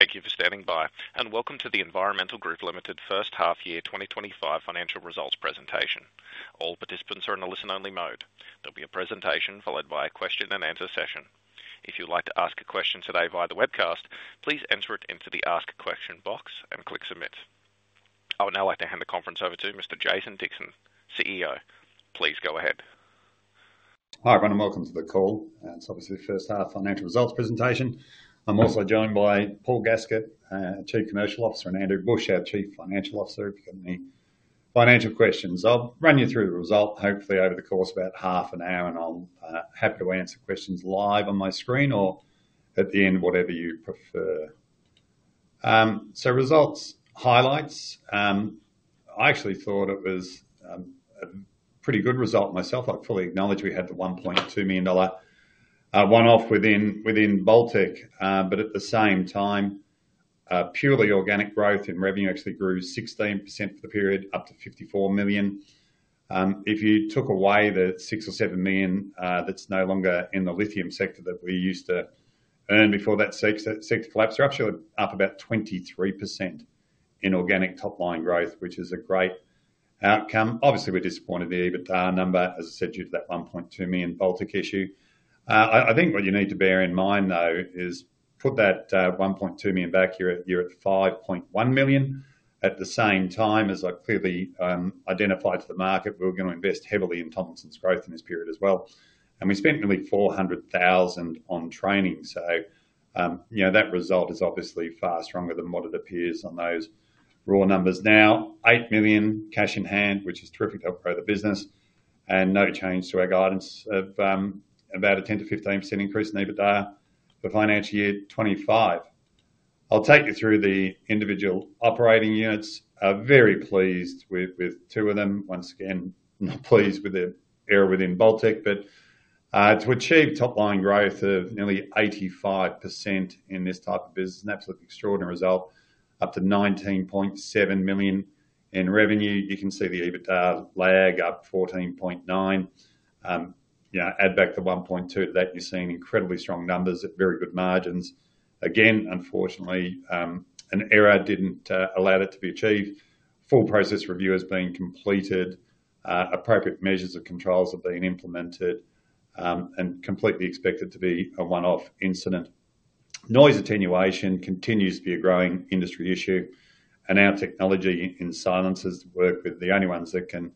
Thank you for standing by, and welcome to the Environmental Group Limited First Half-year 2025 Financial Results Presentation. All participants are in a listen-only mode. There will be a presentation followed by a question-and-answer session. If you'd like to ask a question today via the webcast, please enter it into the Ask a Question box and click Submit. I would now like to hand the conference over to Mr. Jason Dixon, CEO. Please go ahead. Hi, everyone, and welcome to the call. It's obviously the first half financial results presentation. I'm also joined by Paul Gaskett, Chief Commercial Officer, and Andrew Bush, our Chief Financial Officer for company financial questions. I'll run you through the result, hopefully over the course of about half an hour, and I'm happy to answer questions live on my screen or at the end, whatever you prefer. Results highlights, I actually thought it was a pretty good result myself. I fully acknowledge we had the 1.2 million dollar one-off within Baltec, but at the same time, purely organic growth in revenue actually grew 16% for the period, up to 54 million. If you took away the 6 million or 7 million that's no longer in the lithium sector that we used to earn before that sector collapsed, we're actually up about 23% in organic top-line growth, which is a great outcome. Obviously, we're disappointed there, but our number, as I said, due to that 1.2 million Baltec issue. I think what you need to bear in mind, though, is put that 1.2 million back. You're at 5.1 million. At the same time, as I've clearly identified to the market, we're going to invest heavily in Tomlinson's growth in this period as well. We spent nearly 400,000 on training. That result is obviously far stronger than what it appears on those raw numbers. Now, 8 million cash in hand, which is terrific to help grow the business, and no change to our guidance of about a 10-15% increase in EBITDA for financial year 2025. I'll take you through the individual operating units. Very pleased with two of them. Once again, not pleased with the error within Baltec, but to achieve top-line growth of nearly 85% in this type of business, an absolutely extraordinary result, up to 19.7 million in revenue. You can see the EBITDA lag up 14.9 million. Add back the 1.2 million to that, you're seeing incredibly strong numbers at very good margins. Again, unfortunately, an error didn't allow that to be achieved. Full process review has been completed. Appropriate measures of controls have been implemented and completely expected to be a one-off incident. Noise attenuation continues to be a growing industry issue, and our technology in silencers, the work with the only ones that can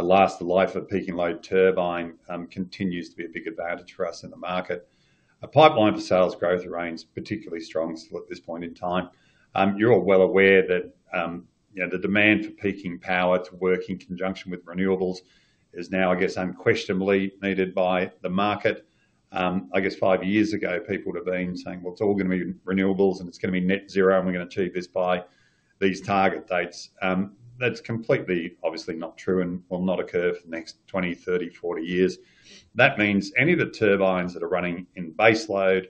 last the life of a peaking load turbine, continues to be a big advantage for us in the market. A pipeline for sales growth remains particularly strong still at this point in time. You're all well aware that the demand for peaking power to work in conjunction with renewables is now, I guess, unquestionably needed by the market. I guess five years ago, people would have been saying, "Well, it's all going to be renewables, and it's going to be net zero, and we're going to achieve this by these target dates." That's completely, obviously, not true and will not occur for the next 20, 30, 40 years. That means any of the turbines that are running in base load,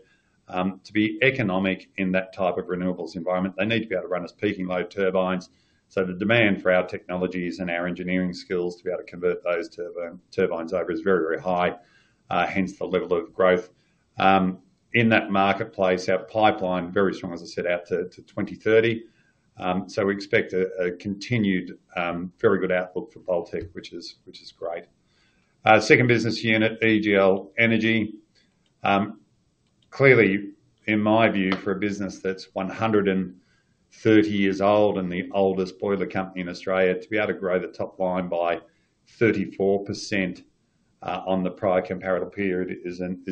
to be economic in that type of renewables environment, they need to be able to run as peaking load turbines. The demand for our technologies and our engineering skills to be able to convert those turbines over is very, very high, hence the level of growth. In that marketplace, our pipeline very strong, as I said, out to 2030. We expect a continued very good outlook for Baltec, which is great. Second business unit, EGL Energy. Clearly, in my view, for a business that's 130 years old and the oldest boiler company in Australia, to be able to grow the top line by 34% on the prior comparable period is an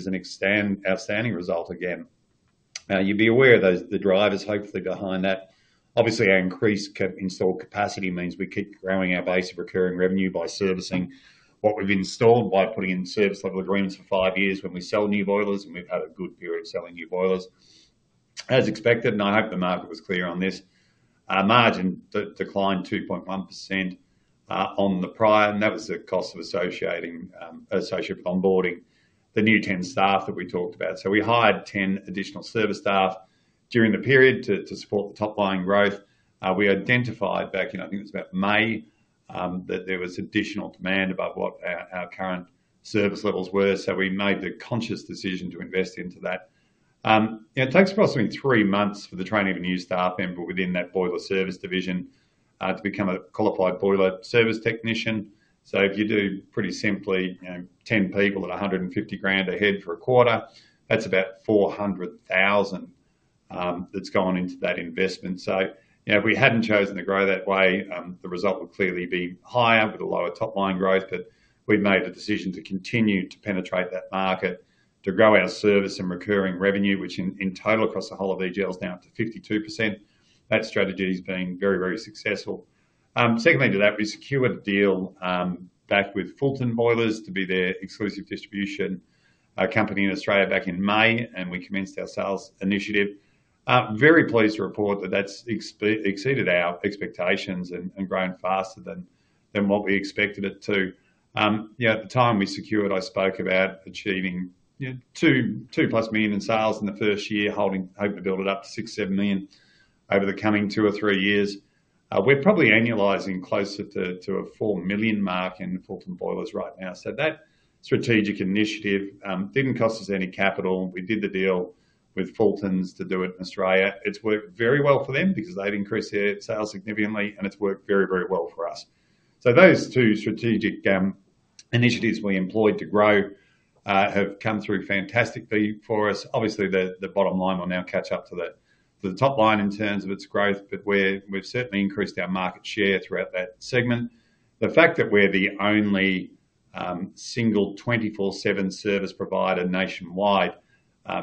outstanding result again. Now, you'd be aware of the drivers hopefully behind that. Obviously, our increased installed capacity means we keep growing our base of recurring revenue by servicing what we've installed by putting in service-level agreements for five years when we sell new boilers, and we've had a good period selling new boilers. As expected, and I hope the market was clear on this, our margin declined 2.1% on the prior, and that was the cost of associated onboarding, the new 10 staff that we talked about. We hired 10 additional service staff during the period to support the top-line growth. We identified back in, I think it was about May, that there was additional demand above what our current service levels were. We made the conscious decision to invest into that. It takes approximately three months for the training of a new staff member within that boiler service division to become a qualified boiler service technician. If you do pretty simply 10 people at 150,000 a head for a quarter, that's about 400,000 that's gone into that investment. If we had not chosen to grow that way, the result would clearly be higher with a lower top-line growth, but we made the decision to continue to penetrate that market to grow our service and recurring revenue, which in total across the whole of EGL is now up to 52%. That strategy has been very, very successful. Secondly to that, we secured a deal back with Fulton Boilers to be their exclusive distribution company in Australia back in May, and we commenced our sales initiative. Very pleased to report that that's exceeded our expectations and grown faster than what we expected it to. At the time we secured, I spoke about achieving $2 million-plus in sales in the first year, hoping to build it up to 6 million-7 million over the coming two or three years. We're probably annualising closer to an 4 million mark in Fulton Boilers right now. That strategic initiative did not cost us any capital. We did the deal with Fulton Boilers to do it in Australia. It's worked very well for them because they've increased their sales significantly, and it's worked very, very well for us. Those two strategic initiatives we employed to grow have come through fantastically for us. Obviously, the bottom line will now catch up to the top line in terms of its growth, but we've certainly increased our market share throughout that segment. The fact that we're the only single 24/7 service provider nationwide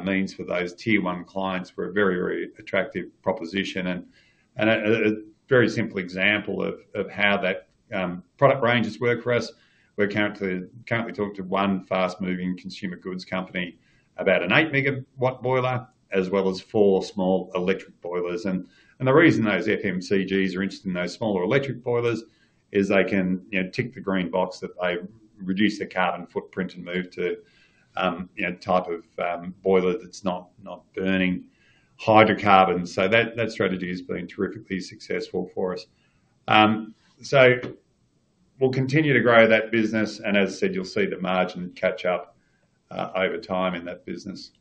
means for those tier one clients we're a very, very attractive proposition. A very simple example of how that product range has worked for us, we're currently talking to one fast-moving consumer goods company, about an 8 MW boiler, as well as four small electric boilers. The reason those FMCGs are interested in those smaller electric boilers is they can tick the green box that they reduce their carbon footprint and move to a type of boiler that's not burning hydrocarbons. That strategy has been terrifically successful for us. We'll continue to grow that business, and as I said, you'll see the margin catch up over time in that business.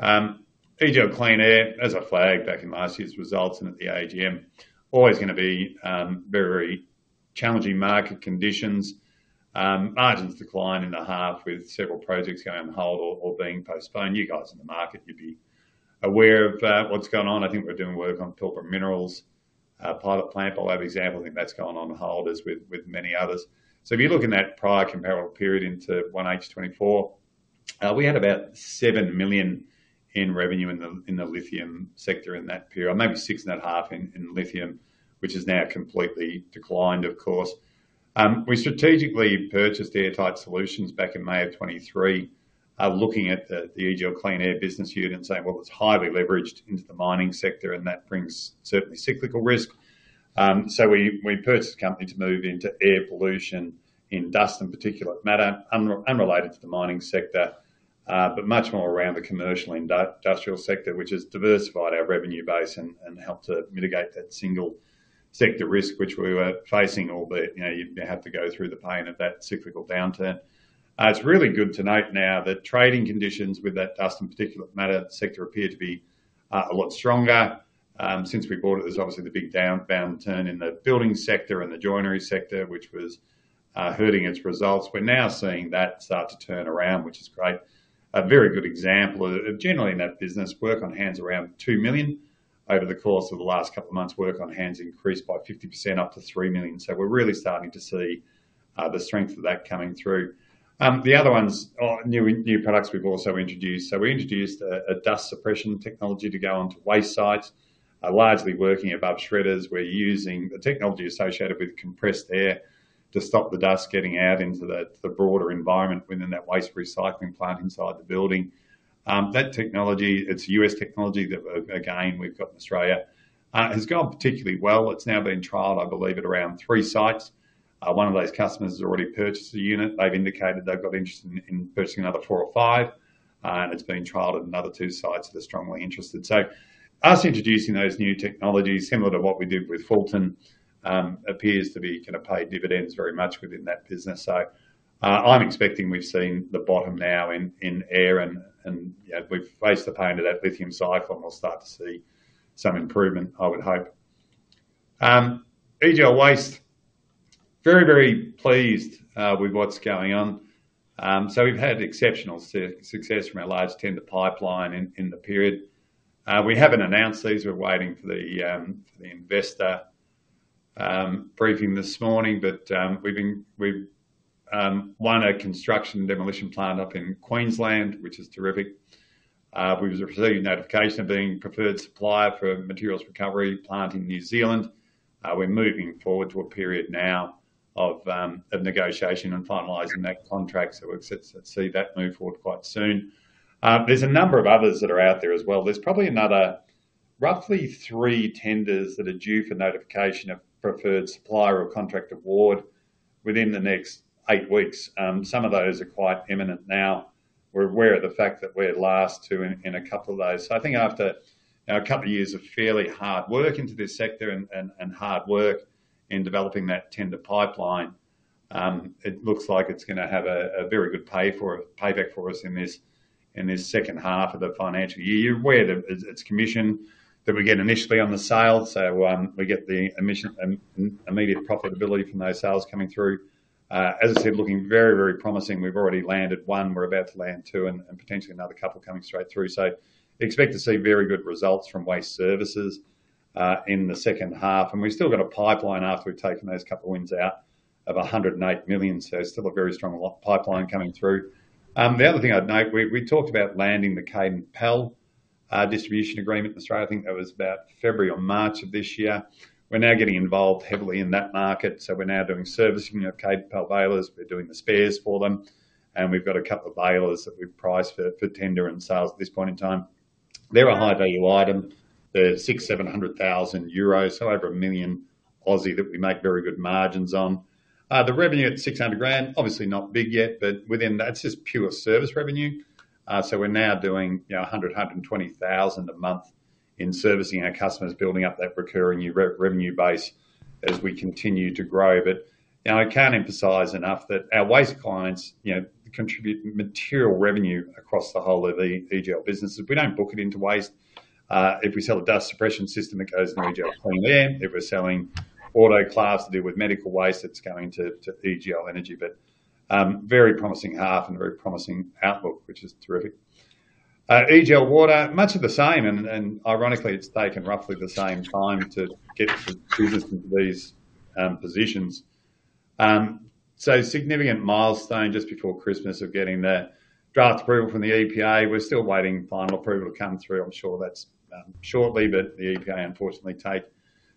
EGL Clean Air, as I flagged back in last year's results and at the AGM, always going to be very, very challenging market conditions. Margins decline in the half with several projects going on hold or being postponed. You guys in the market, you'd be aware of what's going on. I think we're doing work on Pilbara Minerals pilot plant, but I'll have examples that that's going on hold as with many others. If you look in that prior comparable period into 1H 2024, we had about 7 million in revenue in the lithium sector in that period, or maybe 6.5 million in lithium, which has now completely declined, of course. We strategically purchased Airtight Solutions back in May of 2023, looking at the EGL Clean Air business unit and saying, "Well, it's highly leveraged into the mining sector, and that brings certainly cyclical risk." We purchased a company to move into air pollution and dust, in particular, matter unrelated to the mining sector, but much more around the commercial industrial sector, which has diversified our revenue base and helped to mitigate that single sector risk, which we were facing, albeit you'd have to go through the pain of that cyclical downturn. It is really good to note now that trading conditions with that dust, in particular, matter sector appear to be a lot stronger. Since we bought it, there is obviously the big downturn in the building sector and the joinery sector, which was hurting its results. We are now seeing that start to turn around, which is great. A very good example of generally in that business, work on hands around 2 million over the course of the last couple of months, work on hands increased by 50% up to 3 million. We are really starting to see the strength of that coming through. The other ones, new products we have also introduced. We introduced a dust suppression technology to go onto waste sites, largely working above shredders. We are using the technology associated with compressed air to stop the dust getting out into the broader environment within that waste recycling plant inside the building. That technology, it is US technology that we have gained, we have got in Australia, has gone particularly well. It is now been trialled, I believe, at around three sites. One of those customers has already purchased a unit. They've indicated they've got interest in purchasing another four or five, and it's been trialed at another two sites that are strongly interested. Us introducing those new technologies, similar to what we did with Fulton, appears to be going to pay dividends very much within that business. I'm expecting we've seen the bottom now in air, and we've faced the pain of that lithium cycle, and we'll start to see some improvement, I would hope. EGL Waste, very, very pleased with what's going on. We've had exceptional success from our large tender pipeline in the period. We haven't announced these. We're waiting for the investor briefing this morning, but we've won a construction demolition plant up in Queensland, which is terrific. We've received notification of being preferred supplier for materials recovery plant in New Zealand. We're moving forward to a period now of negotiation and finalizing that contract. We'll see that move forward quite soon. There are a number of others that are out there as well. There are probably another roughly three tenders that are due for notification of preferred supplier or contract award within the next eight weeks. Some of those are quite imminent now. We're aware of the fact that we're last two in a couple of those. I think after a couple of years of fairly hard work into this sector and hard work in developing that tender pipeline, it looks like it's going to have a very good payback for us in this second half of the financial year. You're aware that it's commission that we get initially on the sale. We get the immediate profitability from those sales coming through. As I said, looking very, very promising. We've already landed one. We're about to land two and potentially another couple coming straight through. Expect to see very good results from waste services in the second half. We've still got a pipeline after we've taken those couple of wins out of 108 million. Still a very strong pipeline coming through. The other thing I'd note, we talked about landing the Kadant PAAL distribution agreement in Australia. I think that was about February or March of this year. We're now getting involved heavily in that market. We're now doing servicing of Kadant PAAL balers. We're doing the spares for them. We've got a couple of boilers that we've priced for tender and sales at this point in time. They're a high-value item. They're 600,000-700,000 euros, so over 1 million that we make very good margins on. The revenue at 600,000, obviously not big yet, but within that, it's just pure service revenue. We're now doing $100,000-$120,000 a month in servicing our customers, building up that recurring revenue base as we continue to grow. I can't emphasize enough that our waste clients contribute material revenue across the whole of the EGL businesses. We don't book it into waste. If we sell a dust suppression system, it goes into EGL Clean Air. If we're selling autoclaves to deal with medical waste, it's going to EGL Energy. Very promising half and very promising outlook, which is terrific. EGL Water, much of the same. Ironically, it's taken roughly the same time to get the business into these positions. Significant milestone just before Christmas of getting the draft approval from the EPA. We're still waiting final approval to come through. I'm sure that's shortly, but the EPA, unfortunately,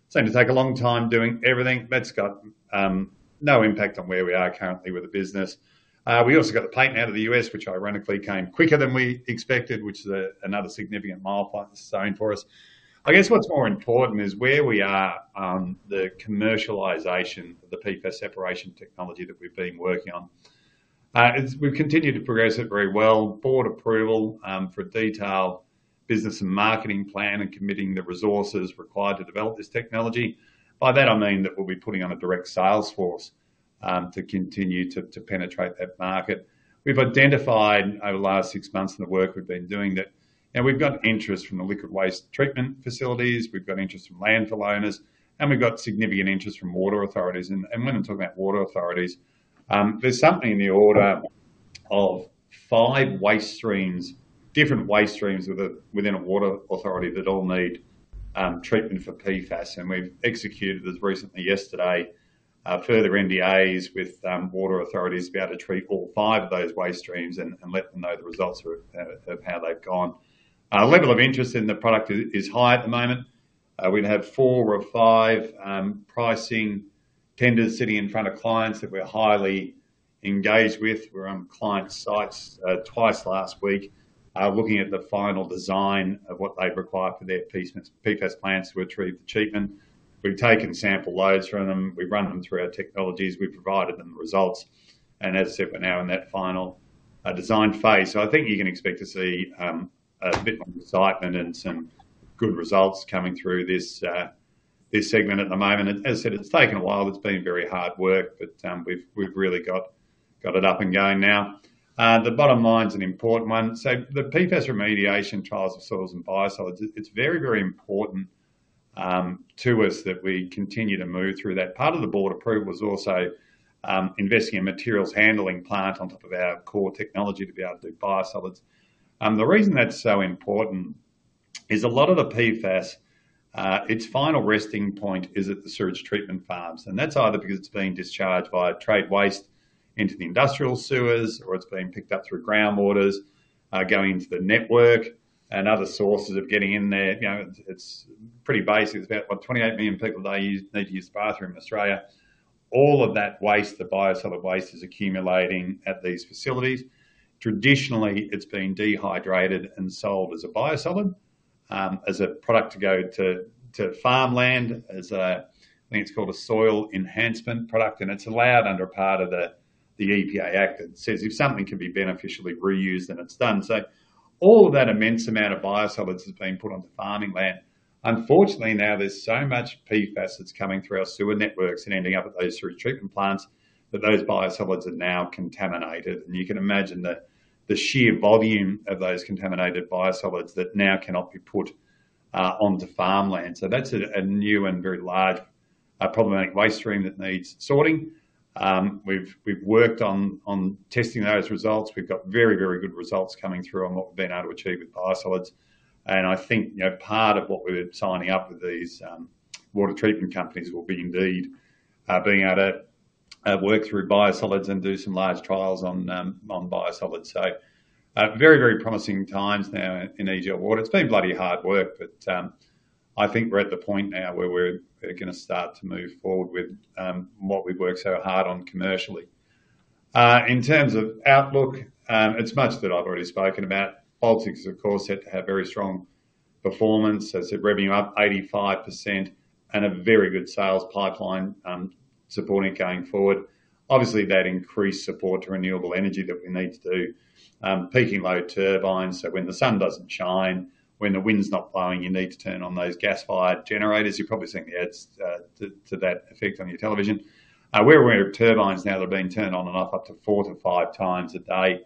seem to take a long time doing everything. That's got no impact on where we are currently with the business. We also got the patent out of the United States, which ironically came quicker than we expected, which is another significant milestone for us. I guess what's more important is where we are on the commercialization of the PFAS separation technology that we've been working on. We've continued to progress it very well. Board approval for a detailed business and marketing plan and committing the resources required to develop this technology. By that, I mean that we'll be putting on a direct sales force to continue to penetrate that market. We've identified over the last six months in the work we've been doing that we've got interest from the liquid waste treatment facilities. We've got interest from landfill owners, and we've got significant interest from water authorities. When I'm talking about water authorities, there's something in the order of five waste streams, different waste streams within a water authority that all need treatment for PFAS. We've executed as recently as yesterday further NDAs with water authorities to be able to treat all five of those waste streams and let them know the results of how they've gone. Level of interest in the product is high at the moment. We'd have four or five pricing tenders sitting in front of clients that we're highly engaged with. We're on client sites twice last week looking at the final design of what they've required for their PFAS plants to retrieve the treatment. We've taken sample loads from them. We've run them through our technologies. We've provided them the results. As I said, we're now in that final design phase. I think you can expect to see a bit more excitement and some good results coming through this segment at the moment. As I said, it's taken a while. It's been very hard work, but we've really got it up and going now. The bottom line's an important one. The PFAS remediation trials of soils and biosolids, it's very, very important to us that we continue to move through that. Part of the board approval was also investing in materials handling plant on top of our core technology to be able to do biosolids. The reason that's so important is a lot of the PFAS, its final resting point is at the sewage treatment farms. That is either because it is being discharged via trade waste into the industrial sewers or it is being picked up through groundwaters, going into the network and other sources of getting in there. It is pretty basic. It is about, what, 28 million people need to use the bathroom in Australia. All of that waste, the biosolid waste, is accumulating at these facilities. Traditionally, it has been dehydrated and sold as a biosolid, as a product to go to farmland, as I think it is called a soil enhancement product. It is allowed under a part of the EPA Act that says if something can be beneficially reused, then it is done. All of that immense amount of biosolids has been put onto farming land. Unfortunately, now there is so much PFAS that is coming through our sewer networks and ending up at those sewage treatment plants that those biosolids are now contaminated. You can imagine the sheer volume of those contaminated biosolids that now cannot be put onto farmland. That is a new and very large problematic waste stream that needs sorting. We have worked on testing those results. We have very, very good results coming through on what we have been able to achieve with biosolids. I think part of what we are signing up with these water treatment companies will be indeed being able to work through biosolids and do some large trials on biosolids. Very, very promising times now in EGL Water. It has been bloody hard work, but I think we are at the point now where we are going to start to move forward with what we have worked so hard on commercially. In terms of outlook, it is much that I have already spoken about. Baltec, of course, have to have very strong performance. As I said, revenue up 85% and a very good sales pipeline supporting it going forward. Obviously, that increased support to renewable energy that we need to do. Peaking load turbines. When the sun doesn't shine, when the wind's not blowing, you need to turn on those gas-fired generators. You've probably seen the ads to that effect on your television. We're aware of turbines now that are being turned on and off up to four to five times a day.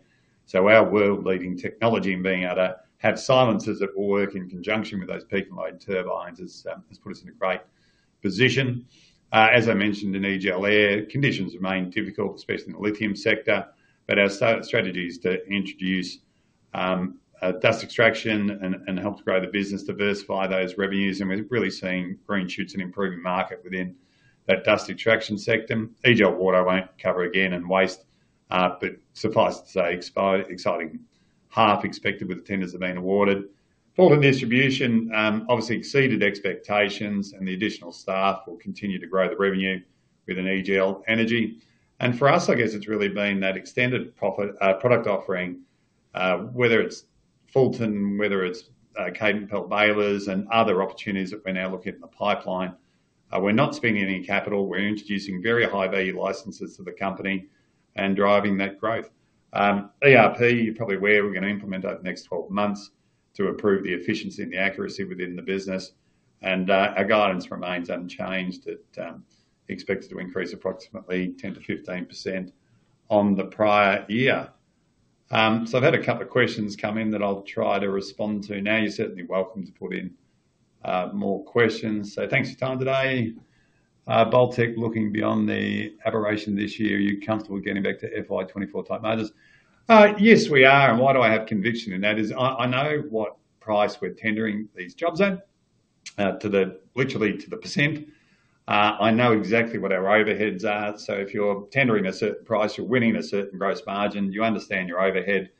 Our world-leading technology and being able to have silencers that will work in conjunction with those peaking load turbines has put us in a great position. As I mentioned in EGL Air, conditions remain difficult, especially in the lithium sector. Our strategy is to introduce dust extraction and help to grow the business, diversify those revenues. We're really seeing green shoots and improving market within that dust extraction sector. EGL Water won't cover again and waste, but suffice to say, exciting. Half expected with the tenders that have been awarded. Baldwin Distribution obviously exceeded expectations, and the additional staff will continue to grow the revenue within EGL Energy. For us, I guess it's really been that extended product offering, whether it's Fulton, whether it's Kadant PAAL boilers and other opportunities that we're now looking at in the pipeline. We're not spending any capital. We're introducing very high-value licenses to the company and driving that growth. ERP, you're probably aware we're going to implement over the next 12 months to improve the efficiency and the accuracy within the business. Our guidance remains unchanged that we expect to increase approximately 10-15% on the prior year. I've had a couple of questions come in that I'll try to respond to now. You're certainly welcome to put in more questions. Thanks for your time today. Baltec, looking beyond the aberration this year, are you comfortable getting back to FY2024 type models? Yes, we are. Why do I have conviction in that is I know what price we're tendering these jobs at, literally to the percent. I know exactly what our overheads are. If you're tendering a certain price, you're winning a certain gross margin. You understand your overhead.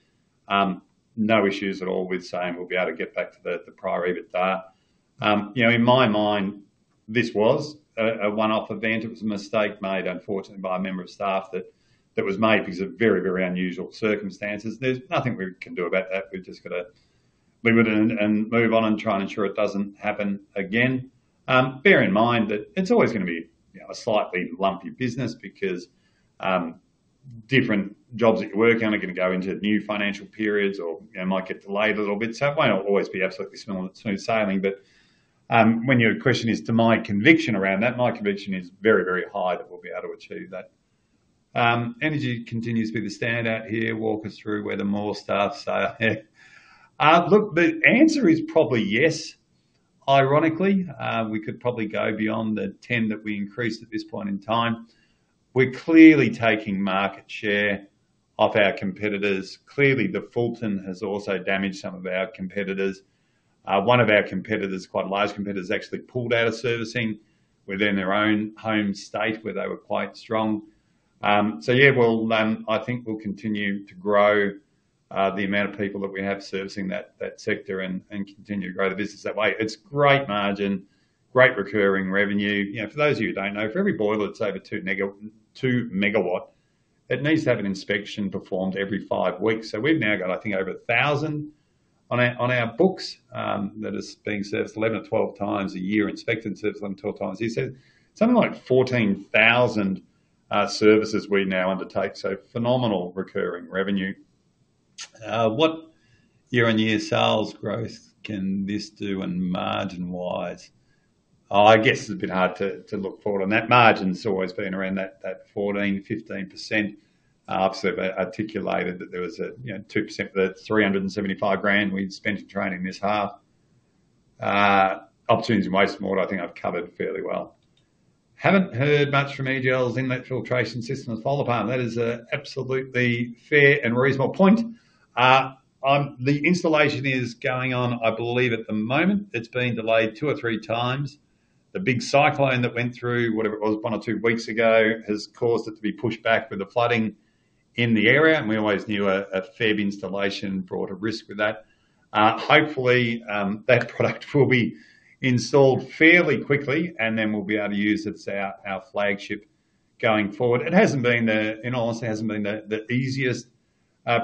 No issues at all with saying we'll be able to get back to the prior EBITDA. In my mind, this was a one-off event. It was a mistake made, unfortunately, by a member of staff that was made because of very, very unusual circumstances. There's nothing we can do about that. We're just going to be with it and move on and try and ensure it doesn't happen again. Bear in mind that it's always going to be a slightly lumpy business because different jobs that you're working on are going to go into new financial periods or might get delayed a little bit. It won't always be absolutely smooth sailing. When your question is to my conviction around that, my conviction is very, very high that we'll be able to achieve that. Energy continues to be the standout here. Walk us through where the more stuff. Look, the answer is probably yes. Ironically, we could probably go beyond the 10 that we increased at this point in time. We're clearly taking market share off our competitors. Clearly, the Fulton has also damaged some of our competitors. One of our competitors, quite a large competitor, has actually pulled out of servicing within their own home state where they were quite strong. I think we'll continue to grow the amount of people that we have servicing that sector and continue to grow the business that way. It's great margin, great recurring revenue. For those of you who don't know, for every boiler that's over 2 megawatt, it needs to have an inspection performed every five weeks. We've now got, I think, over 1,000 on our books that are being serviced 11 or 12 times a year, inspected and serviced 11 or 12 times. He said something like 14,000 services we now undertake. Phenomenal recurring revenue. What year-on-year sales growth can this do and margin-wise? I guess it's a bit hard to look forward on that. Margin's always been around that 14-15%. I've sort of articulated that there was a 2% for the 375,000 we'd spent in training this half. Opportunities in wastewater, I think I've covered fairly well. Haven't heard much from EGL's inlet filtration system to fall apart. That is an absolutely fair and reasonable point. The installation is going on, I believe, at the moment. It's been delayed two or three times. The big cyclone that went through, whatever it was, one or two weeks ago, has caused it to be pushed back with the flooding in the area. We always knew a February installation brought a risk with that. Hopefully, that product will be installed fairly quickly, and then we'll be able to use it as our flagship going forward. It hasn't been the, in all honesty, it hasn't been the easiest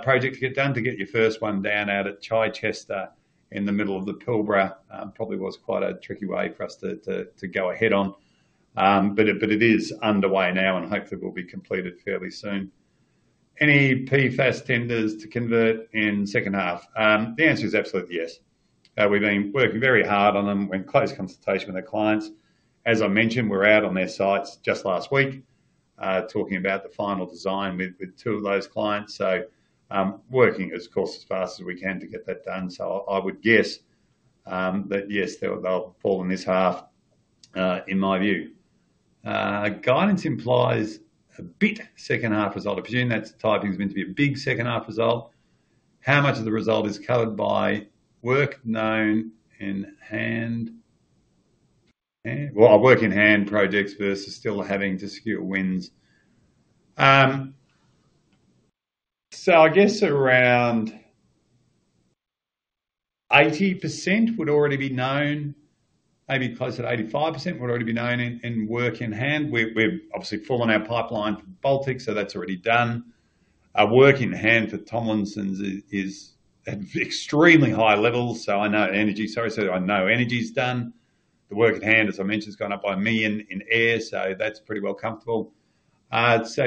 project to get done to get your first one down out at Chichester in the middle of the Pilbara. Probably was quite a tricky way for us to go ahead on. It is underway now, and hopefully will be completed fairly soon. Any PFAS tenders to convert in second half? The answer is absolutely yes. We've been working very hard on them in close consultation with our clients. As I mentioned, we're out on their sites just last week talking about the final design with two of those clients. Working, of course, as fast as we can to get that done. I would guess that yes, they'll fall in this half, in my view. Guidance implies a bit second half result. I presume that's the typing is meant to be a big second half result. How much of the result is covered by work known in hand? Work in hand projects versus still having to secure wins. I guess around 80% would already be known. Maybe close to 85% would already be known in work in hand. We've obviously fallen out pipeline for Baltec, so that's already done. Work in hand for Tomlinson boilers is at extremely high levels. I know energy. Sorry, I know energy's done. The work in hand, as I mentioned, has gone up by me in air, so that's pretty well comfortable.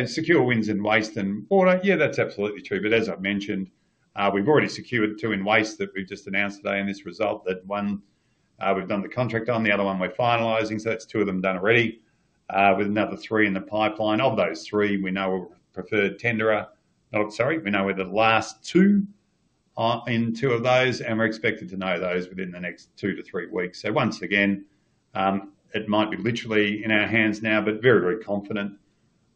Secure wins in waste and water. Yeah, that's absolutely true. As I've mentioned, we've already secured two in waste that we've just announced today in this result. One we've done the contract on, the other one we're finalizing. That's two of them done already with another three in the pipeline. Of those three, we know we'll prefer tenderer. Sorry, we know where the last two are in two of those, and we're expected to know those within the next two to three weeks. Once again, it might be literally in our hands now, but very, very confident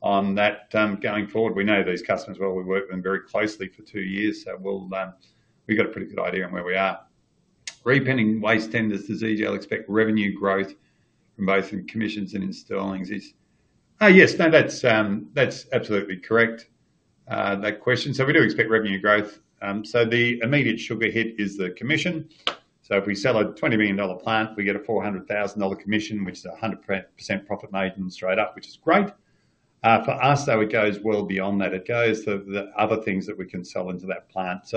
on that going forward. We know these customers well. We've worked with them very closely for two years. We've got a pretty good idea on where we are. Repending waste tenders to EGL expect revenue growth from both in commissions and installings. Yes, no, that's absolutely correct, that question. We do expect revenue growth. The immediate sugar hit is the commission. If we sell a $20 million plant, we get a $400,000 commission, which is 100% profit made straight up, which is great. For us, though, it goes well beyond that. It goes to the other things that we can sell into that plant.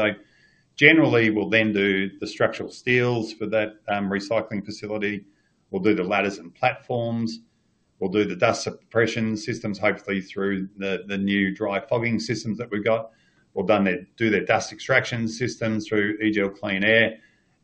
Generally, we'll then do the structural steels for that recycling facility. We'll do the ladders and platforms. We'll do the dust suppression systems, hopefully through the new dry fogging systems that we've got. We'll do their dust extraction systems through EGL Clean Air.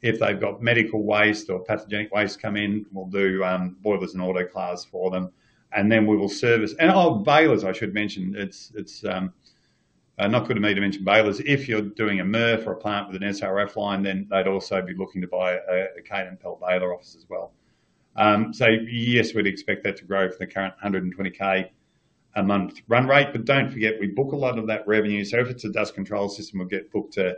If they've got medical waste or pathogenic waste come in, we'll do boilers and autoclaves for them. We will service. Our balers, I should mention, it's not good of me to mention balers. If you're doing a MRF for a plant with an SRF line, then they'd also be looking to buy a Kadant PAAL baler off us as well. Yes, we'd expect that to grow from the current 120,000 a month run rate. Do not forget, we book a lot of that revenue. If it's a dust control system, we'll get booked to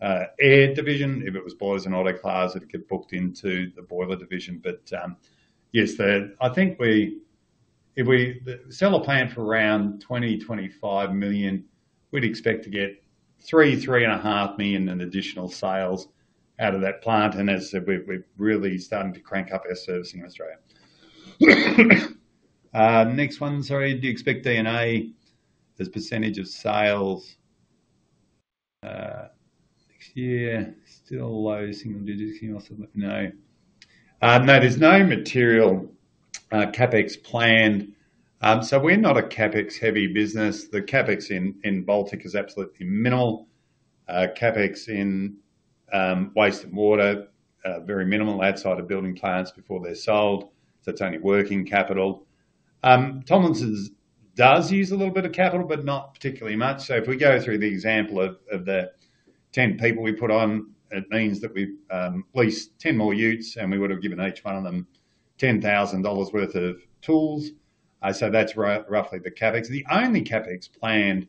air division. If it was boilers and autoclaves, it'd get booked into the boiler division. Yes, I think if we sell a plant for around 20 million-25 million, we'd expect to get 3 million-3.5 million in additional sales out of that plant. As I said, we're really starting to crank up our servicing in Australia. Next one, sorry. Do you expect D&A as percentage of sales next year? Still low single digits. Can you also let me know? No, there's no material CapEx planned. We're not a CapEx-heavy business. The CapEx in Baltec is absolutely minimal. CapEx in waste and water, very minimal outside of building plants before they're sold. It's only working capital. Tomlinson does use a little bit of capital, but not particularly much. If we go through the example of the 10 people we put on, it means that we've leased 10 more utes, and we would have given each one of them $10,000 worth of tools. That's roughly the CapEx. The only CapEx planned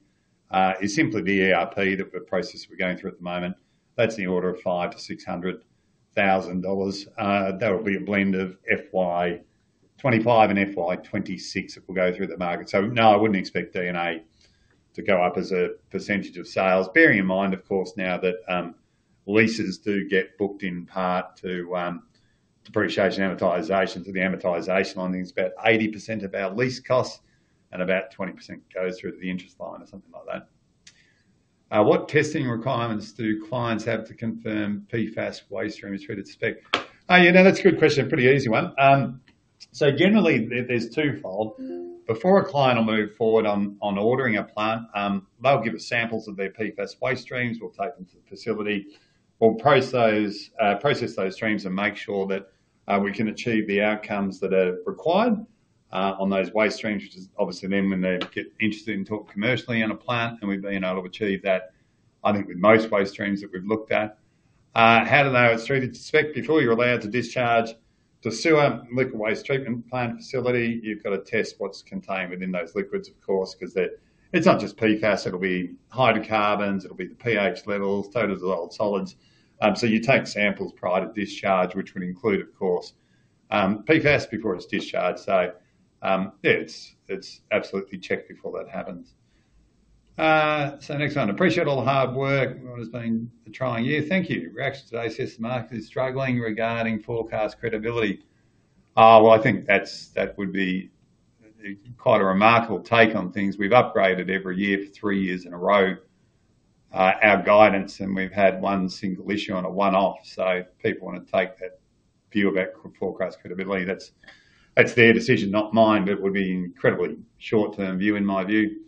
is simply the ERP that we're processing we're going through at the moment. That's in the order of 500,000-600,000 dollars. That will be a blend of FY2025 and FY2026 if we go through the market. No, I wouldn't expect D&A to go up as a percentage of sales. Bearing in mind, of course, now that leases do get booked in part to depreciation amortization, so the amortization on things is about 80% of our lease costs and about 20% goes through to the interest line or something like that. What testing requirements do clients have to confirm PFAS waste streams? We'd expect. Yeah, no, that's a good question. Pretty easy one. Generally, there's twofold. Before a client will move forward on ordering a plant, they'll give us samples of their PFAS waste streams. We'll take them to the facility. We'll process those streams and make sure that we can achieve the outcomes that are required on those waste streams, which is obviously then when they get interested in talking commercially on a plant, and we've been able to achieve that, I think, with most waste streams that we've looked at. How do they? It's through the inspect. Before you're allowed to discharge to sewer, liquid waste treatment plant facility, you've got to test what's contained within those liquids, of course, because it's not just PFAS. It'll be hydrocarbons. It'll be the pH levels, total dissolved solids. You take samples prior to discharge, which would include, of course, PFAS before it's discharged. Yeah, it's absolutely checked before that happens. Next one. Appreciate all the hard work. It's always been a trying year. Thank you. Reaction today says the market is struggling regarding forecast credibility. I think that would be quite a remarkable take on things. We've upgraded every year for three years in a row our guidance, and we've had one single issue on a one-off. People want to take that view about forecast credibility. That's their decision, not mine, but it would be an incredibly short-term view, in my view.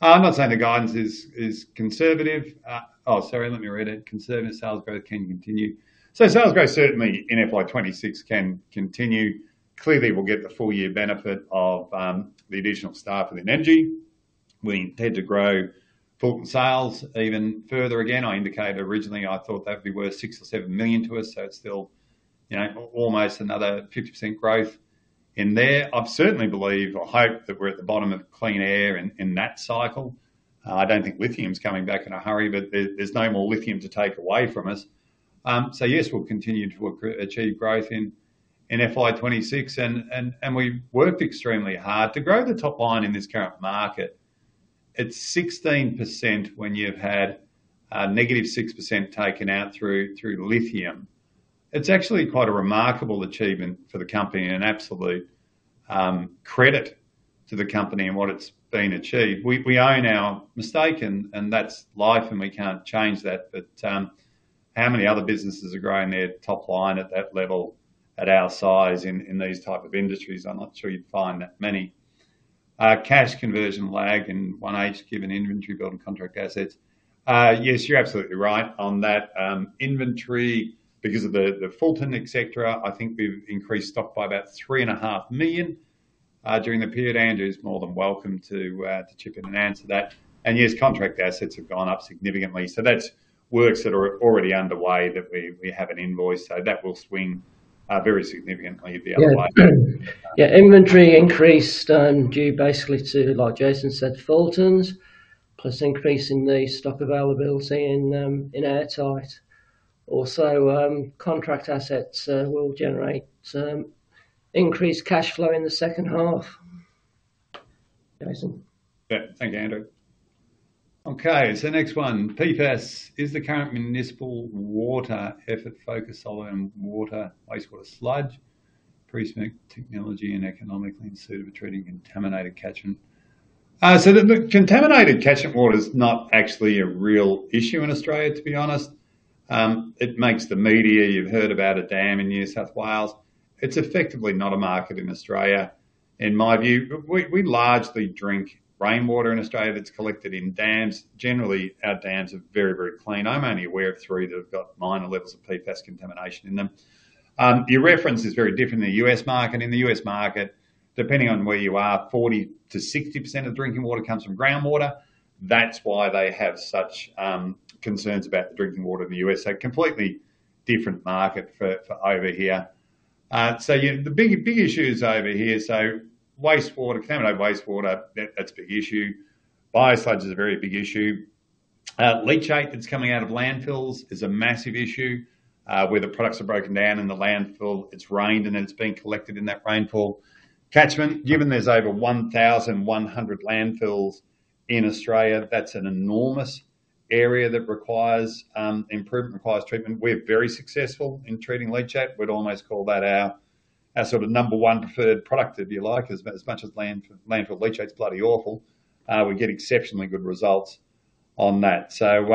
I'm not saying the guidance is conservative. Oh, sorry, let me read it. Conservative sales growth can continue. Sales growth certainly in FY2026 can continue. Clearly, we'll get the full year benefit of the additional staff and energy. We intend to grow full sales even further again. I indicated originally I thought that would be worth 6 million or 7 million to us, so it is still almost another 50% growth in there. I certainly believe or hope that we are at the bottom of clean air in that cycle. I do not think lithium is coming back in a hurry, but there is no more lithium to take away from us. Yes, we will continue to achieve growth in FY2026. We have worked extremely hard to grow the top line in this current market. It is 16% when you have had negative 6% taken out through lithium. It is actually quite a remarkable achievement for the company and an absolute credit to the company and what has been achieved. We own our mistaken, and that is life, and we cannot change that. How many other businesses are growing their top line at that level at our size in these types of industries? I'm not sure you'd find that many. Cash conversion lag in one age given inventory built in contract assets. Yes, you're absolutely right on that. Inventory, because of the Fulton, etc., I think we've increased stock by about 3.5 million during the period. Andrew's more than welcome to chip in and answer that. Yes, contract assets have gone up significantly. That's works that are already underway that we have not invoiced, so that will swing very significantly the other way. Inventory increased due basically to, like Jason said, Fulton's plus increase in the stock availability in our site. Also, contract assets will generate increased cash flow in the second half. Jason. Thank you, Andrew. Okay, next one. PFAS is the current municipal water effort focus on water, wastewater, sludge, pre-smoked technology, and economically insured of treating contaminated catchment. The contaminated catchment water is not actually a real issue in Australia, to be honest. It makes the media, you've heard about a dam in New South Wales. It's effectively not a market in Australia, in my view. We largely drink rainwater in Australia that's collected in dams. Generally, our dams are very, very clean. I'm only aware of three that have got minor levels of PFAS contamination in them. Your reference is very different in the U.S. market. In the U.S. market, depending on where you are, 40-60% of drinking water comes from groundwater. That's why they have such concerns about the drinking water in the U.S. Completely different market for over here. The big issues over here, wastewater, contaminated wastewater, that's a big issue. Biosludge is a very big issue. Leachate that's coming out of landfills is a massive issue where the products are broken down in the landfill. It's rained, and then it's been collected in that rainfall catchment. Given there's over 1,100 landfills in Australia, that's an enormous area that requires improvement, requires treatment. We're very successful in treating leachate. We'd almost call that our sort of number one preferred product, if you like, as much as landfill leachate's bloody awful. We get exceptionally good results on that. The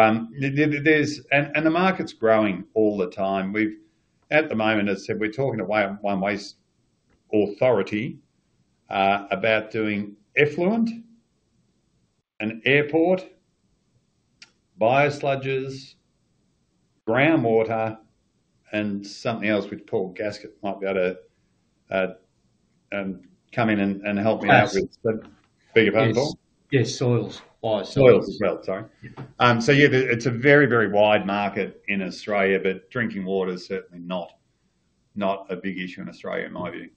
market's growing all the time. At the moment, as I said, we're talking to one waste authority about doing effluent, an airport, biosludges, groundwater, and something else with Paul Gaskett might be able to come in and help me out with. Bigger purpose. Yes, soils. Soils as well, sorry. Yeah, it's a very, very wide market in Australia, but drinking water is certainly not a big issue in Australia, in my view.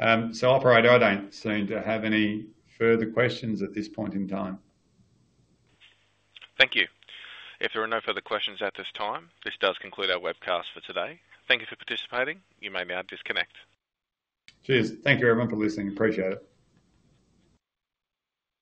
Operator, I don't seem to have any further questions at this point in time. Thank you. If there are no further questions at this time, this does conclude our webcast for today. Thank you for participating. You may now disconnect. Cheers. Thank you, everyone, for listening. Appreciate it.